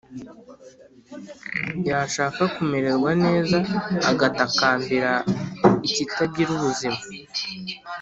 Yashaka kumererwa neza, agatakambira ikitagira ubuzima;